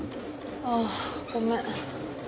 ああごめん。